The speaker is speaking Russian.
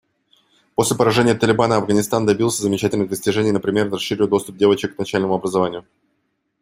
После поражения «Талибана» Афганистан добился замечательных достижений, например расширил доступ девочек к начальному образованию.